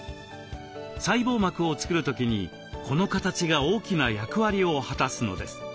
細胞膜を作る時にこの形が大きな役割を果たすのです。